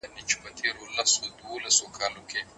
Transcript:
سود ټولنه ویجاړوي.